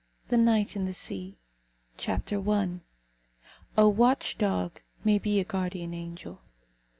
THE NIGHT AND THE SEA. CHAPTER I. A WATCH DOG MAY BE A GUARDIAN ANGEL.